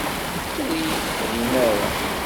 Ur iyi-tefhimem ara.